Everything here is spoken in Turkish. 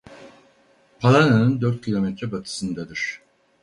Palana'nın dört kilometre batısındadır.